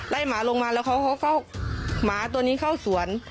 หมาลงมาแล้วเขาเข้าหมาตัวนี้เข้าสวน